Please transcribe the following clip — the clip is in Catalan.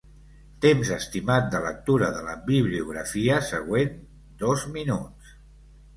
Temps estimat de lectura de la bibliografia següent: dos minuts.